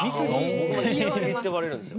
僕もね見すぎって言われるんですよ。